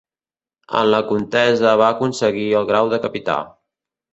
En la contesa va aconseguir el grau de Capità.